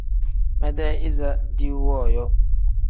Medee iza diiwu wooyo.